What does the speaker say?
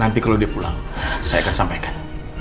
nanti kalau dia pulang saya akan sampaikan